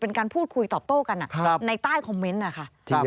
เป็นการพูดคุยตอบโต้กันในใต้คอมเมนต์นะคะ